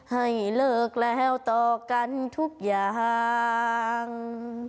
ให้เลิกแล้วต่อกันทุกอย่าง